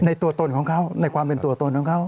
ตัวตนของเขาในความเป็นตัวตนของเขา